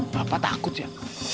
bapak takut ya